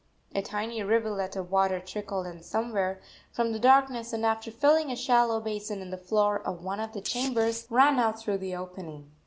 A tiny rivulet of water trickled in somewhere from the darkness, and, after filling a shallow basin in the floor of one of the chambers, ran out through the opening.